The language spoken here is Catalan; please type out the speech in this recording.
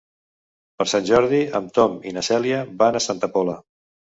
Per Sant Jordi en Tom i na Cèlia van a Santa Pola.